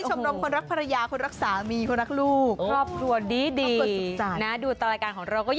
ชมรมคนรักภรรยาคนรักสามีคนรักลูก